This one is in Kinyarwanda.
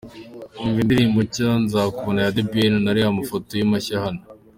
Umva indirimbo nshya Nzakubona ya The Ben unarebe amafoto ye mashya hano :.